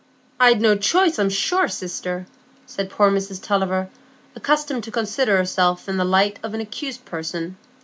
"I'd no choice, I'm sure, sister," said poor Mrs Tulliver, accustomed to consider herself in the light of an accused person.